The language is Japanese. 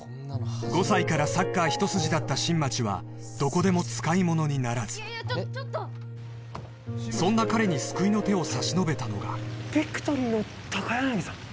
５歳からサッカー一筋だった新町はどこでも使いものにならずそんな彼に救いの手を差し伸べたのがビクトリーの高柳さん？